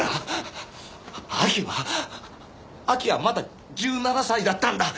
明希は明希はまだ１７歳だったんだ！